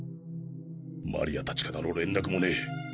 マリアたちからの連絡もねえ。